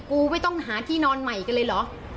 กูไม่ต้องหาที่นอนใหม่กันเลยเหรอ